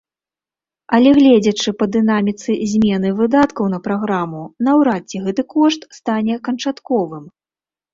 Але гледзячы па дынаміцы змены выдаткаў на праграму, наўрад ці гэты кошт стане канчатковым.